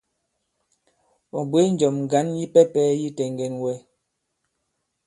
Ɔ̀ bwě njɔ̀m ŋgǎn yipɛpɛ yi tɛŋgɛn wɛ.